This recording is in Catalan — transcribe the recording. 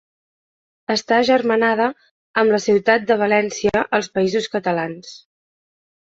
Està agermanada amb la ciutat de València als Països Catalans.